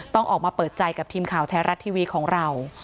ต้องออกมาเปิดใจกับทีมข่าวไทยรัฐทีวีของเรา